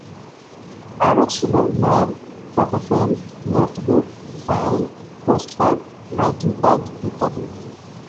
আরও ছিল mug, photo frame, notebook, file, post card, writing pad ইত্যাদি।